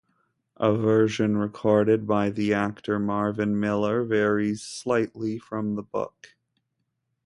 A version recorded by the actor Marvin Miller varies slightly from the book.